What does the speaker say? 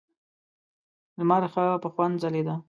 لمر ښه په خوند ځلېده.